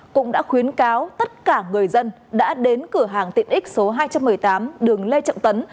cũng đã khuyến cáo tất cả người dân đã đến cửa hàng tiện ích số hai trăm một mươi tám đường lê trọng tấn